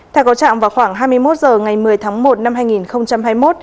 theo có trạng vào khoảng hai mươi một h ngày một mươi tháng một năm hai nghìn hai mươi một